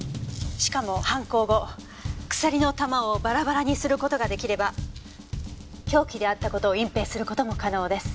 しかも犯行後鎖の球をバラバラにする事が出来れば凶器であった事を隠蔽する事も可能です。